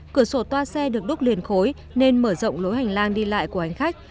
cửa sổ toa xe được đúc liền khối nên mở rộng lối hành lang đi lại của hành khách